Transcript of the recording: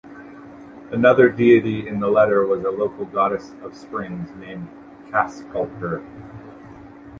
Another deity in the letter was a local goddess of springs named Kaskalkur.